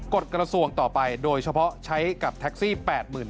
กฎกระทรวงต่อไปโดยเฉพาะใช้กับแท็กซี่๘๐๐๐